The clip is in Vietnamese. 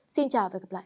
xin chào và hẹn gặp lại